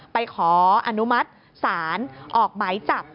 ขออนุมัติศาลออกหมายจับ